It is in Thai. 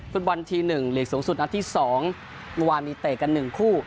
ฟุตบอลที๑หลีกสูงสุดนัดที่๒เมื่อวานมีเตะกัน๑คู่